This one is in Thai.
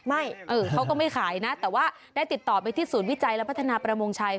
ไม่เขาก็ไม่ขายนะแต่ว่าได้ติดต่อไปที่ศูนย์วิจัยและพัฒนาประมงชัย